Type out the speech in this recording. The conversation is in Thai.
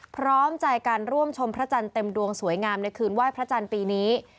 พร้อมใจการร่วมชมพระจันทร์เต็มดวงสวยงามในคืนไหว้พระจันทร์ปีนี้